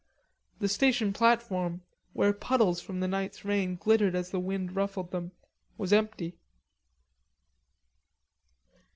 The station platform, where puddles from the night's rain glittered as the wind ruffled them, was empty.